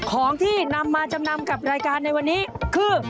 ของที่นำมาจำนำกับรายการในวันนี้คือ